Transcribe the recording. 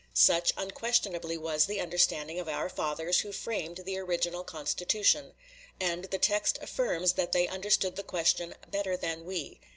Such unquestionably was the understanding of our fathers who framed the original Constitution; and the text affirms that they understood the question "better than we"....